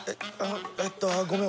えっとごめん！